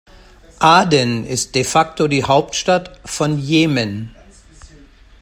Aden ist de facto die Hauptstadt von Jemen.